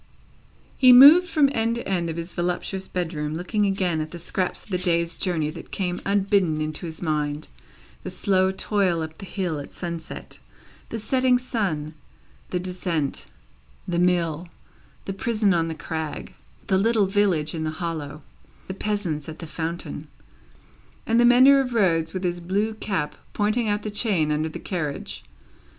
He moved from end to end of his voluptuous bedroom, looking again at the scraps of the day's journey that came unbidden into his mind; the slow toil up the hill at sunset, the setting sun, the descent, the mill, the prison on the crag, the little village in the hollow, the peasants at the fountain, and the mender of roads with his blue cap pointing out the chain under the carriage.